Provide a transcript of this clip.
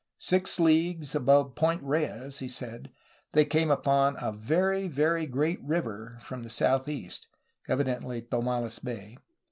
Six leagues above Point Reyes, he said, they came upon "a very, very great river^' from the southeast, — evidently Tomales Bay.